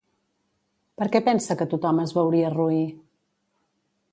Per què pensa que tothom es veuria roí?